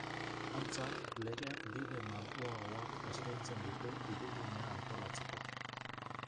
Antza, legeak bide malguagoak eskaintzen ditu Hirigunea antolatzeko.